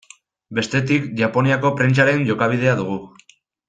Bestetik, Japoniako prentsaren jokabidea dugu.